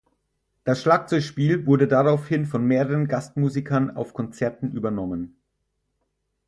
Das Schlagzeugspiel wurde daraufhin von mehreren Gastmusikern auf Konzerten übernommen.